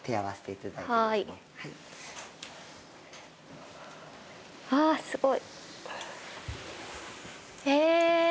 はあすごい。え